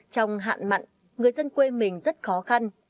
trong hạn mặn người dân quê mình rất khó khăn